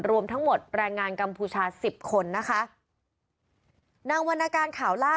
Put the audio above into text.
รวมทั้งหมดแรงงานกัมพูชาสิบคนนะคะนางวรรณการข่าวล่า